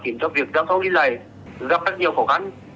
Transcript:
khiến cho việc giao thông đi lại gặp rất nhiều khó khăn